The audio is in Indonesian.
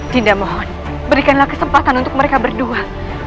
jinda mohon berikanlah kesempatan untuk mereka berdua